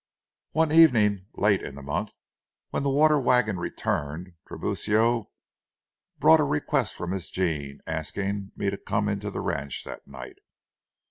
One evening, late in the month, when the water wagon returned, Tiburcio brought a request from Miss Jean, asking me to come into the ranch that night.